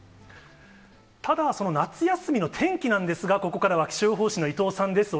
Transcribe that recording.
ただ、その夏休みの天気なんですが、ここからは気象予報士の伊藤さんです。